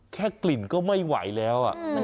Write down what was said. แค่กลิ่นก็ไม่ไหวแล้วอ่ะ